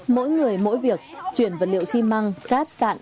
mỗi người mỗi việc chuyển vật liệu xi măng cát sạn